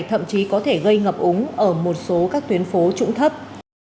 thậm chí có thể gây ngập úng ở một số các tuyến phố trụng thấp